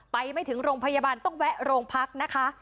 ไม่ถึงโรงพยาบาลต้องแวะโรงพักนะคะ